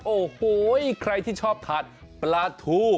โอ้โหใครที่ชอบทานปลาทู